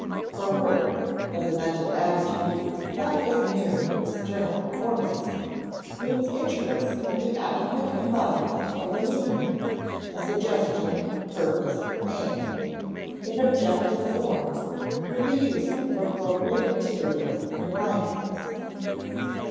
For work (as a mental attitude, not as mere external performance) means interest in the adequate embodiment of a meaning (a suggestion, purpose, aim) in objective form through the use of appropriate materials and appliances.